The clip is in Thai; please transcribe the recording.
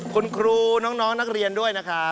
คุณครูน้องนักเรียนด้วยนะครับ